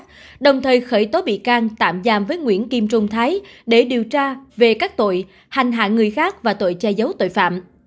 đồng thời khởi tố bị can tạm giam với nguyễn kim trung thái để điều tra về các tội hành hạ người khác và tội che giấu tội phạm